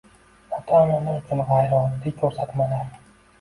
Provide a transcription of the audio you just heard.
Ota-onalar uchun g'ayrioddiy ko'rsatmalar.